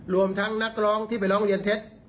รวมทั้งนักร้องที่ไปร้องเรียนเท็จ